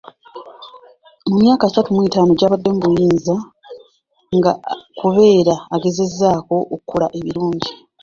Mu myaka asatu mu etaano gy'ebadde mu buyinza nga kubeera ageezezza ko okukola ebirungi.